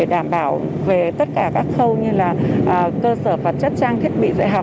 đảm bảo về tất cả các khâu như là cơ sở vật chất trang thiết bị dạy học